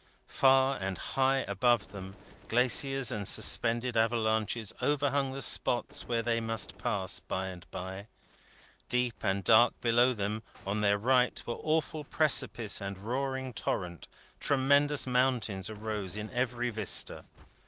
Far and high above them, glaciers and suspended avalanches overhung the spots where they must pass, by and by; deep and dark below them on their right, were awful precipice and roaring torrent; tremendous mountains arose in every vista.